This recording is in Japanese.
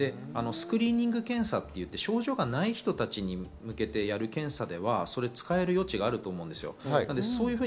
スクリーニング検査をし、症状がない人たちに向けてやる検査では、それを使える余地があると思うんです。